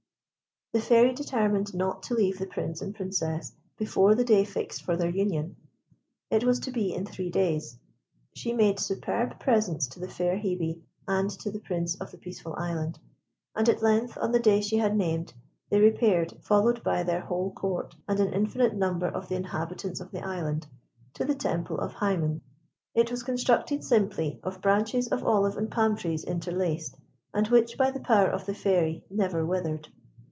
The Fairy determined not to leave the Prince and Princess before the day fixed for their union. It was to be in three days. She made superb presents to the fair Hebe and to the Prince of the Peaceful Island, and at length, on the day she had named, they repaired, followed by their whole Court and an infinite number of the inhabitants of the Island, to the temple of Hymen. It was constructed simply of branches of olive and palmtrees interlaced, and which, by the power of the Fairy, never withered.